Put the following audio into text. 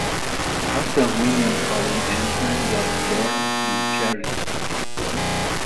Author Mignon Holland Anderson was born in Cheriton.